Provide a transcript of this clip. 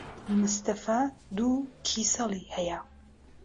مستەفا دوو کیسەڵی ھەیە.